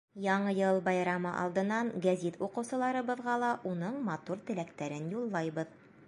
Яңы йыл байрамы алдынан гәзит уҡыусыларыбыҙға ла уның матур теләктәрен юллайбыҙ.